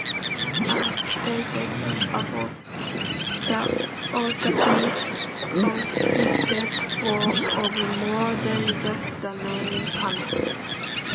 As stated above, the altarpiece consisted of more than just the main panel.